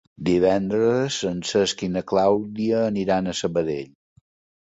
Divendres en Cesc i na Clàudia aniran a Sabadell.